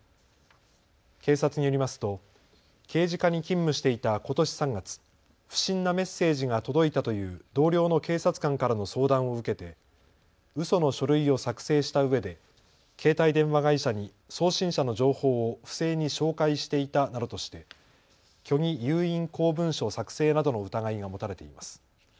警察によりますと刑事課に勤務していたことし３月、不審なメッセージが届いたという同僚の警察官からの相談を受けてうその書類を作成したうえで携帯電話会社に送信者の情報を不正に照会していたなどとして虚偽有印公文書作成などの疑いが持たれています。